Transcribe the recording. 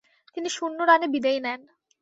তিনি শূন্য রানে বিদেয় নেন।